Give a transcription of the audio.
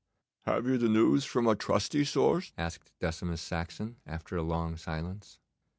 'Have you the news from a trusty source?' asked Decimus Saxon, after a long silence.